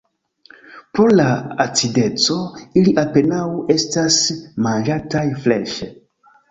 Pro la acideco ili apenaŭ estas manĝataj freŝe.